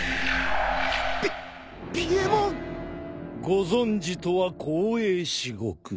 ご存じとは光栄至極。